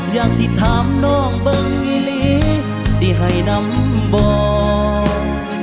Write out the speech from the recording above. อยากสิถามน้องเบิ้งอีลีสิให้นำบอก